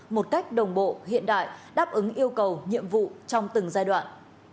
một cách đồng bộ hiện đại đáp ứng yêu cầu nhiệm vụ trong từng giai đoạn